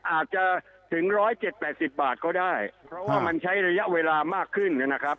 อาจจะถึง๑๗๘๐บาทก็ได้เพราะว่ามันใช้ระยะเวลามากขึ้นนะครับ